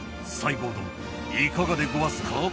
いかがでごわすか？